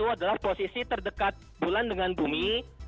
itu adalah posisi terdekat bulan dengan bumi